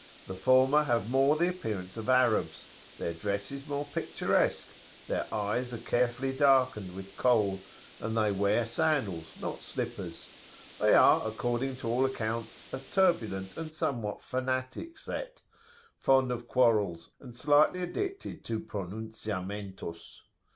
The former have more the appearance of Arabs: their dress is more picturesque, their eyes are carefully darkened with Kohl, and they wear sandals, not slippers. They are, according to all accounts, a turbulent and somewhat fanatic set, fond of quarrels, and slightly addicted to "pronunciamentos."